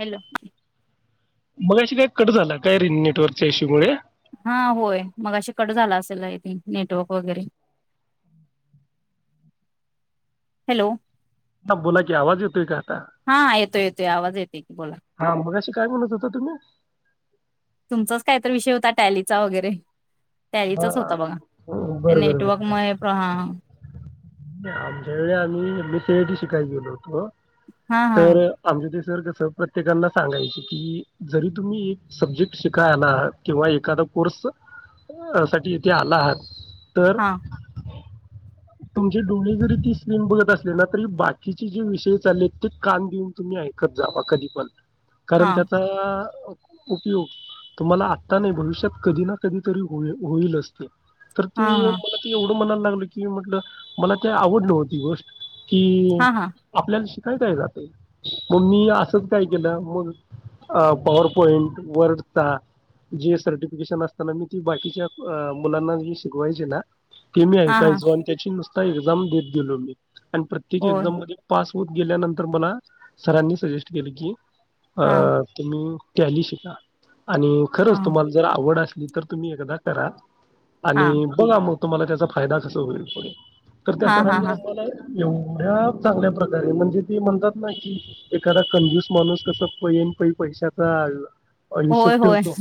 Hello, मग अशी काय कट झाला काय र नेटवर्कच्या इशूमुळे हा होय मगाशी कट झाला असेल, नेटवर्क वगैरे हॅलो, ह बोला की आवाज येतोय का आता हा येतोय येतोय आवाज येतोय की बोला हा मगाशी काय म्हणत होता तुम्ही तुमचाच काय तर विषय होता टॅलीचा वगैरे हा टॅलीचाच होता बघा हो, ते बरं बरं नेटवर्क म बरं आमच्या वेळी आम्ही M S C I T शिकायला गेलो होतो. हा तर आमी [unintelligible] जर कस प्रत्येकांना सांगायच कि जरी तुम्ही एक सब्जेक्ट शिकाय आला आहात किंवा एखादा कोर्स साठी इथे आला आहात तर [inaudible] हा तुमचे डोळे जरी ती स्क्रीन बघत असले ना तरी बाकीचे जे विषय चाललेत ते कान देऊन तुम्ही ऐकत जावा कधी पण. हा कारण त्याचा उपयोग तुम्हाला आत्ता नाही भविष्यात कधी ना कधी तरी होई-होईलचं तो. तर ते, हा हा मला ते एवढं म्हणाय लागल की म्हटल. मला ते आवड नव्हती गोष्ट. कि हा हा आपल्यला शि काय काय जातय मग मी असंच काय केलं मग पॉवर पॉइंट वर्डचा जे सर्टिफिकेशन असत ना मी ती बाकीच्या अ मुलांना मी शिकवायचे ना. ति मी हा हा ऐकायचो आणि त्याची नुस एक्झाम देत दिलो मी. आणि प्रत्येक होय एक्झाम मध्ये पास होत गेल्यानंतर मला सरांनी सजेस्ट केलं की अ हा तुम्ही टॅली शिका. आणि हा खरंच तुम्हाला जर आवड असे नंतर तुम्ही एकदा करा हा आणि बघा म तुम्हाला त्याचा फायदा कसा होईल पर तर त्या हा हा सरांनी हा आम्हाला एवढ्या चांगल्या प्रकारे म्हणजे ते म्हणतात ना कि एखादा कंजूस माणूस कस पै आणि पै पैशाचा आई होय [unintelligible] होय तो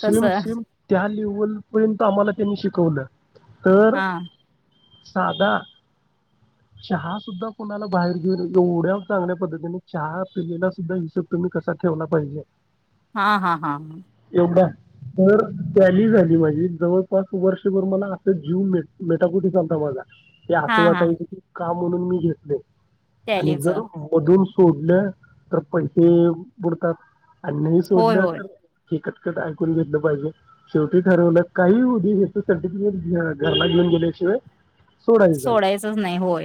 सेम तसं सेम त्या लेव [unintelligible] पर्यंत आम्हाला त्यांनी शिकवलं. तर हा साधा चहा सुद्धा कोणाला बाहेर घेऊ [unintelligible] एवढ्या चांगल्या पद्धतीने चहा पिलेला सुद्धा हिशेब तुम्ही कसा ठेवला पाहिजे. हा हा हा हा. एवढा तर टॅली झाली माझी जवळपास वर्षभर मला अस जीव मे-मेटाकुटीस आल हो बोला. ते हा अस हा वाटलत कि का म्हणून मी घेतले? आणि टॅलीच जर मधून सोडल्या तर पैसे बुडतात. अ्नही होय सोडलं होय तर हे कटकट आऐ करून घेतलं पाहिजे शेवटी ठरवलं काहीही होऊदे हेच सर्टिफिकेट घरला घेऊन गेल्याशिवाय सोडायचं झालं सोडायचंच नाही होय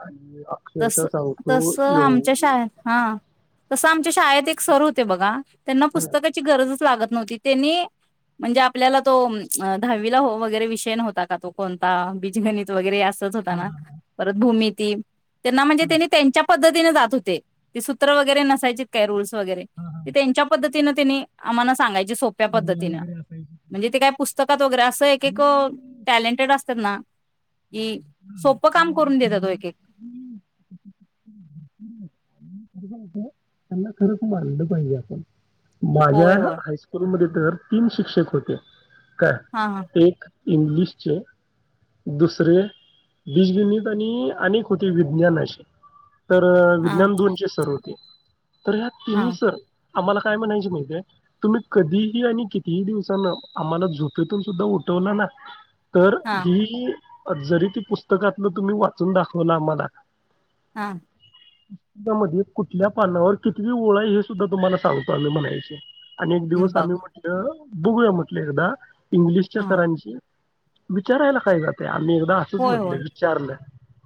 हा आणि तस अक्षरशः सांगतो तस आमच्या एवढी शळेत हा तसं आमच्या शाळेत सर होते बघा त्यांना पुस्तकाची गरजच लागत नी म्हणजे आपल्याला तो दहावीला वगरे विषय नव्हता का तो कोणता बीजगणित वगरे अस होता ना परत भूमी ते त्यांना म्हणजे त्यांनी त्यांच्या पधतीने जात होते सूत्र वगरे नसायची काय रूल्स वगर त्यांच्या पद् ति त आम्हाला सांगयच सोप्या प्रमेय पद्धतीन वगैरे असायची म्हणजे ते काय दोगऱ्या असं एक एक टॅलेंटेड असतात ना ह सोपं काम करून देत तो एक एक त्यांना खरच मनलं पाहिजे आपण माझ्या होय होय हायस्कूलमध्ये तीन शिक्षक होते का हा हा एक इंग्लिशचे दुसरे बीजगिणित आणि अनेक होते विज्ञान असे तर हा विज्ञान दोनचे हो तर ह्या हा तिनचर आम्हाला काय म्हणायच माहितय तुम्ही कधीही आणि कितीही दिवसांन आम्हाला झोपतून सुद्धा उठवला ना तर हा हि जरी ती पुस्तकातलं तुम्ही वाचून दाखवला आम्हाला हा दमध्येध- कुठल्या पानावर कितवि ओळ आहे हे सुद्धा तुम्हाला सांगता आम्ही म्हणायचे आणि एक दिवस बघ आम्ही म्हटलं बघूया म्हटलं एकदा इंग्लिशच्या हा सरांशी विचारायला काय जात आम्ही असंच होय म्हटलं होय विचारलं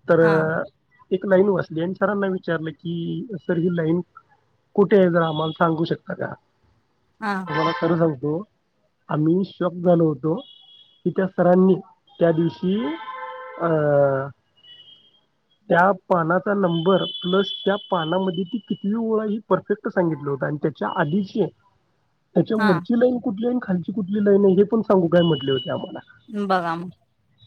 तर हा एक लाईन वाचली आणि सरांना विचारलं की तर ही लाईन कुठे आहे जरा आम्हाला सांगू शकता का? हा तुम्हाला खर सांगतो आम्ही शाॅक झालो होतो की त्या सरांनी त्या दिवशी अ त्या पानाचा नंबर प्लस त्या पानामध्ये म्हणजे ती कितवी ओळा आहे हे परफेक्ट सांगितलं होत आणि त्याच्या आधीची त्याच्या हा वरची लाईन कुठली खालची कुठली लाईन आहे हे पण सांगू काय म्हटले होते आम्हाला बघा मग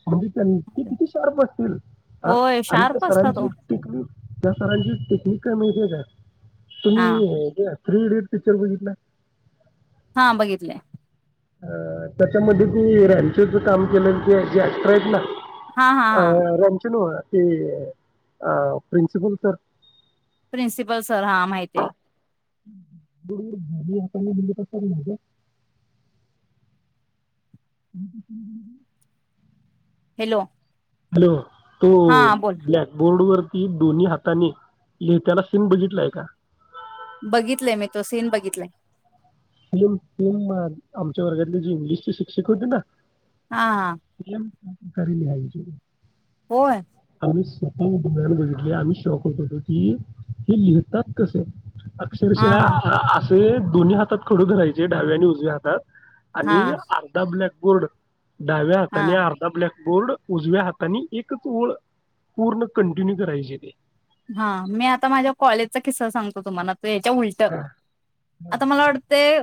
म्हणजे त्या ते किती शार्प असतील अ होय आणि त्या शार्प असता तो सरांची टेकणीक त्या सरांची स्थिती काय माहित्या काय तुम्ही हा हे घ्या थ्री इडियट पिक्चर बघितलाय हा बघितलाय अ त्याच्यामध्ये जे रॅचोच काम केल आहेत ना ते जे एक्टर आहेत ना हा हा हा अ रॅचो नव्ह ते अ प्रिंसिपल सर प्रिन्सिपल सर हा माहिती आहे गुडगुड म्हणज कस आहे माहिती आहे [unintelligible] हॅलो हॅलो तो हा अ बोल ब्लॅकबोर्ड वर ते दोन्ही हातानी लिहत्याला सिन बघितलयं का बघितलंय मी तो सीन बघितलाय हॅलो अम्म आमच्या वर्गातले जे इंग्लिशचे शिक्षक होते ना हा हा करी लिहायचे होय आम्ही स्वतः डोळयाने बघितले आम्ही शॉक होत होतो की हे लिहतात कसे हा अक्षरशः हा अस ते दोन्ही हातात खडू धरायचे डाव्या आणि उजव्या हातात हा आणि अर्धा ब्लॅक बोर्ड डाव्या हाताने हा अर्धा ब्लॅक बोर्ड उजव्या हाताने एकच ओळ पूर्ण कंटिन्यू करायचे ते हा मी आता माझ्या कॉलेजचा किस्सा सांगतो तुम्हाला याच्या उलटं आता मला वाटतंय.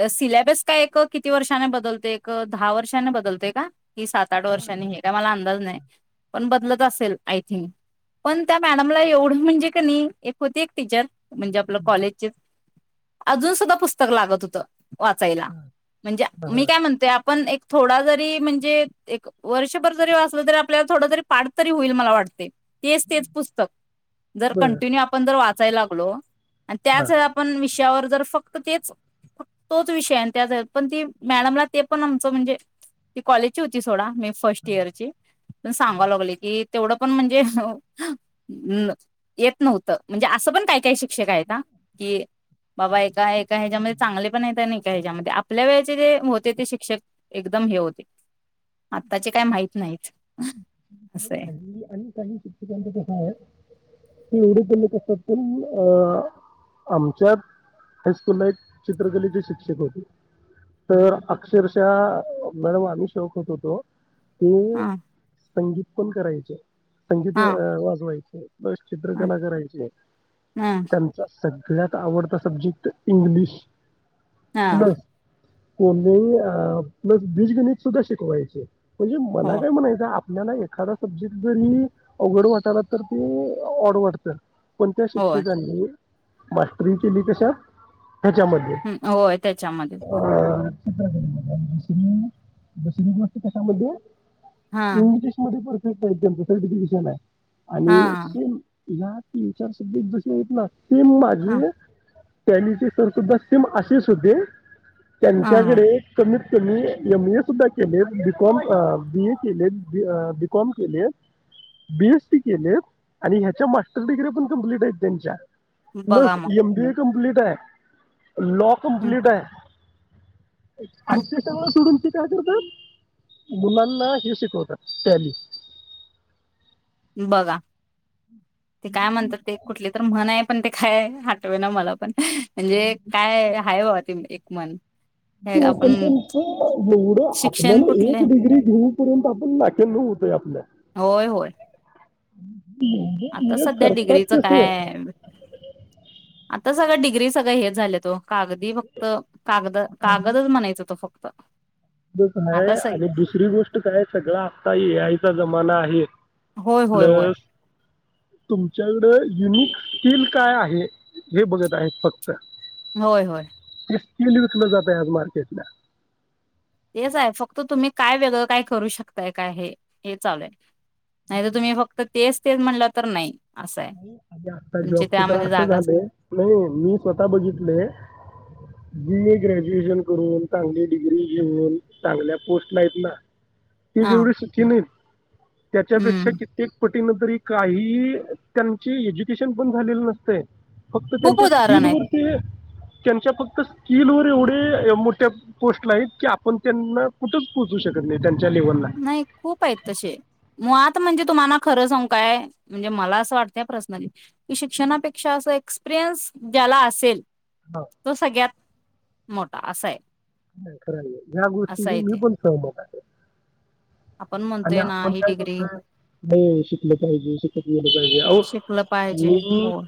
अ सिलेबस काय एक किती वर्षाने बदलते एक दहा वर्षाने बदलते का? कि सात आठ वर्षांनी हे काय मला अंदाज नाही. पण बदलत असेल आयथिंक. पण त्या मॅडमला एवढं म्हणजे की नाही एक होती एक टीचर. म्हणजे आपलं कॉलेजचे. अजून सुद्धा पुस्तक लागत होतं. वाचायला म्हणजे मी काय म्हणतोय आपण एक थोडा जरी म्हणजे एक वर्षभर जरी वाचलं तरी आपल्याला थोडं तरी पाठ तरी होईल मला वाटते. तेच तेच पुस्तक जर बर कंटिन्यू आपण जर वाच चाय लागलो. आणि त्याच आपण विषयावर. तर फक्त तेच तोच विषय आन् पण ती मॅडम ते पण आमचं म्हणजे ती कॉलेजची होती सोडा. फर्स्ट इयरची अन् सांगालागले की. तेवढं पण म्हणजे येत नव्हतं म्हणजे असं पण काय काही शिक शिक्षक आहेत आ की, बाबा एका एका ह्याच्यामध्ये चांगले पण आहेत आणि एका ह्याच्यामध्ये आपल्या वेळेचे जे होते ते शिक्षक एकदम हे होते आताचे काय माहित नाही. काही आणि काही शिक्षकाचे पण ते एवढे बोलत असतात पण अ आमच्यात हायस्कूलला एक चित्रकलेचे शिक्षक होते तर अक्षरशः मॅडम आम्ही शौक होत होतो. ते हा संगीत पण करायचे. संगीत हा व अ वाजवायचे. प्लस ह चित्रकला करायची आहे ह त्यांचा सगळ्यात आवडता सब्जेक्ट इंग्लिश हा प्लस [inaudible] अ प्लस बीज गणित सुद्धा शिकवायचे. म्हणजे हो मला आपल्याला एखादा सब्जेक्ट जरी अवघड वाटायला तरी ते आवडू वाटतं. कोणत्या होय शिक्षकांनी [unintelligible] कशात त्याच्यामध्ये हम्म होय त्याच्यामध्ये अ [unintelligible] दुसरी दुसरी गोष्ट कशामध्ये हा इंग्लिश मध्ये पण [unintelligible] हाय हा आणि [unintelligible] या तीन चार सब्जेक्ट जसे हायत ना ती ह माझी त्यांॅनीचे तर सुद्धा स्कीम अशीच होती ह त्यांच्याकडे कमी मी एम ए सुद्धा केल य बिकॉम अ बी ए केलेत बीकॉम केलेत बीएस सी केलेत आणि ह्याच्या मास्टर डिगगऱ्या पण कमप्लीट आहेत त्यांच्या बघा बस मग M B A complete - - [unintelligible] law हं, कम्प्लीट हाय आण हं, ते सगळं सोडून काय करतात मुलांना ह हि शिकवतात टॅली बघा ते काय म्हणतात ते कुठले तर म्हण हाय पण ते खय हटवे ना मला पण म्हणजे काय हाय बा ते एक मन हो पण त्यांच एवढं शिक्षण आपल्याला कुठले एक डिग्री घेऊ पर्यंत आपण नाके नव होतोय आपल्या होय होय एवढे आता डीगऱ्या सध्या करतात डिग्रीचं कसे काय सगळ डग्री सगळे हेच झाले त ओ कागदी फक्त कागद कागदच म्हणायचं हो तो फक्त [inaudible] आता सग अर दुसरी गोष्ट काय सगळ आत्ता ए आयचा ज मना हाय होय होय होय तुमच्याकडं युनिक स्कील काय आहे हे बघत आहेत फक्त होय होय स्कील विकल जातय आहे आज मार्केटला तेच आहे फक्त तुम्ही काय वेगळं काय करू शकताय काय हे हे चालूय नाही तर तुम्ही फक्त तेच तेच म्हणलं तर नाही असं आहे आ आत्ता तुमची जॉबच तर त्यामध्ये असं जागाच झालंय नाही नाही मी स्वतः बघितलय जीए ग्रॅज्युएशन करून, चांगली डिग्री घेऊन, चांगल्या पोस्ट ला आहेत ना. ते हा जेवढी सुखी नाहीत, त्याच्यापेक्षा हम्म कित्येक पट न तरी काही त्यांची एज्युकेशन पण झालेली नसते. फक्त खूप त्यांच्या उदाहरण स्कील आहेत वर ते त्यांच्या फक्त स्किल वर एवढे मोठ्या पोस्टला आहेत. की आपण त्यांना कुठच पोहोचू शकत नाही त्यां नाही खूप आहेत तसे. मग आ म्हणजे तुम्हाला खरं सांगू काय. म्हणजे मला असं वाटतंय पर्सनली, की शिक्षणापेक्षा असं एक्सपिरियन्स ज्याला असेल हा तो सगळ्यात मोठा असंय. नाही खरय हे. ह्या गोष्टीशी मी पण सहमत आहे. आपण आणि म्हणतोय ना आपण ही काय डिग्री करतोय, हे शिकलं पाहिजे शिकत गेलं पाहिजे आहों शिकलं पाहिजे मी हो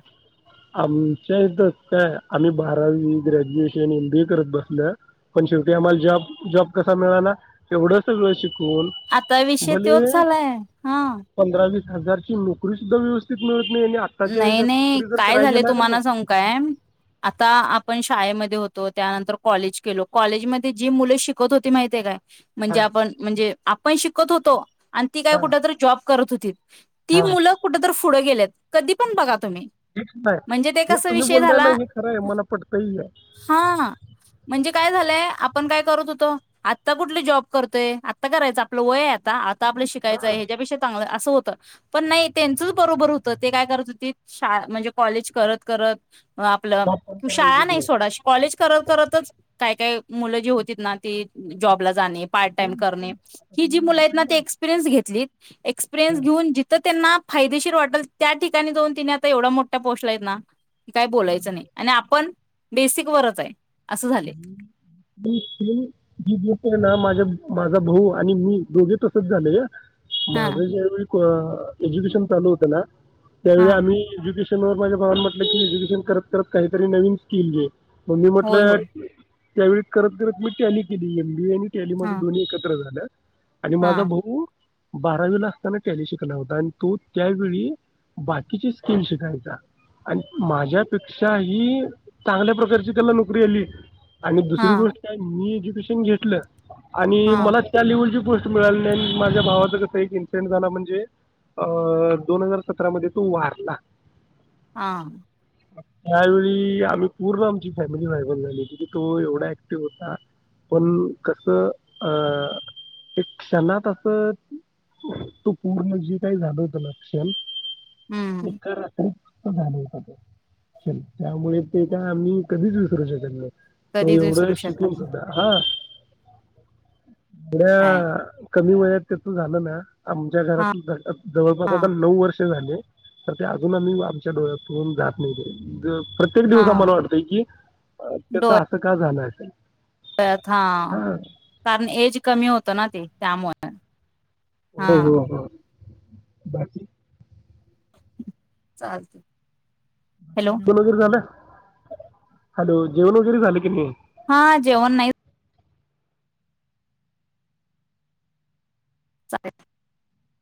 आमच्या इथ काय आम्ही बारावी, ग्रॅज्युएशन, एम बी ए करत बसल्यात. पण शेवटी आम्हाला जॉब जॉब कसा मिळाला. एवढ सगळं शिकू आता विषय त्योचं झालाय, हा. पंधरा वीस हजारची नोकरी सुद्धा व्यवस्थित मिळत नाही आणि आत्ताच्या नाही ह्याच्यात नाही नोकरी जर काय करायची झालं गेला का नाही तुम्हाला सांगू काय. आता आपण शी शाळेमध्ये होतो त्यानंतर कॉलेज केलो. कॉलेजमध्ये जी मुले शिकत होती माहितीेय काय? हां म्हणजे आपण म्हणजे पण शिकत होतो. आणि ती काय हां कुठं तर जॉब करत होतीत. ती हां मुलं कुठ तर पुढे गेलेत. कधी पण बघा तुम्ही हेच नाही म्हणजे ते हे कसा तुम्ही विषय बोलताय झाला. ना हे खरं आहे मला पटतही आहे हा म्हणजे काय झालयं आपन काय करत होतो. आता कुठल जॉब करतोय, आता करायचं आपलं वय आता. आपलं हां शिकायचंय हेज्यापेक्षा चांगल होत पण नाही त्यांचच बरोबर होत. ते काय करत होतीत शा म्हणजे कॉलेज करत करत आपलं जॉब पण कि शाळा करायची नाही ते सोडा. अ कॉलेज करत करतच काय काय मुलं जी होतीत ना ती जॉबला जाणे पार्ट टाईम सेम करणे. सेम आता ही जी तुम्ही मुल आहेत म्हणताय ना ती एक्सपिरियन्स घेतलीत. एक्सपिरिनस घऊन जिथ त्यांना फायदेशीर वाटेल त्या ठिकाणी दोन तिने आता एवढा मोठा पोस्ट ला आहेत ना काय बोलायचं नाही आणि आपण बेसिक वरत आहे असं झाले ही गोष्ट आहे ना माझा भाऊ आणि मी दोघे तसच झालं या हा माझ ज्यावेळी एज्युकेशन चालू होतं ना त्यावेळी हा आम्ही एुके माझ्या भावान म्हटलं की एडुकेशन करत करत काहीतरी नवीन स्किल घे मी होय म्हटलंय होय त्यावेळी करत करत मी टॅली त्यांनी केली एमबी केली माझ हा दोन्ही एकत्र झाल्या आणि हा माझा भाऊ बारावीला असताना टॅली शिकला होता आणि तो त्यावेळी बाकीची स्किम शिकायचा आणि माझ्यापेक्षा ही चांगल्या प्रकारची त्याला नोकरी आली आणि हा दुसरी गोष्ट काय मी ज अड्डमिशन घेतलं आणि हा मला त्या लेवलची गोष्ट मिळाली नाही माझ्या भावाचा कस एक इन्सिडेंट झाला म्हणजे अ दोन हजार सतरा मध्ये तो वारला ह त्यावेळी आम्ही पूर्ण आमची फॅमिली ्रायवल झाली त तो एवढा ऍक्टिव होता पण कस अं एक क्षणात असं तो पूर्ण जे काही झालं होत ना क्षण हम्म एका रात्री झालं त्यामुळे ते का आम्ही कधीच विसरू शकत नाही तो कधीच एवढं विसरू शकत शिकून नाही सध्या हा काय एड कमी वयात त्याच झालं ना आमच्या हा घरात जवळपास हा आता नऊ वर्ष अजून आम्ही आमच्या डोळ्यातून जात नाही प्रत्येक दिवस हा आम्हाला वाटतंय की असं का झालंयल त हा कारण एज कमी होतं ना ते त्यामुळे हा हो हो हो बाकी. [inaudible] हॅलो बाकी बो चर ग [unintelligible] हॅलो जेवण वगैरे झालं की नाही. हा जेवण नाही. चले